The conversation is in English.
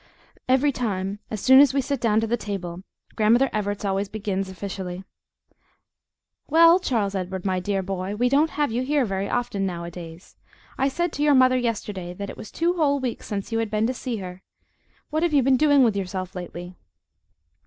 Every time, as soon as we sit down to the table, Grandmother Evarts always begins, officially: "Well, Charles Edward, my dear boy, we don't have you here very often nowadays. I said to your mother yesterday that it was two whole weeks since you had been to see her. What have you been doing with yourself lately?"